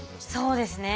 そうですね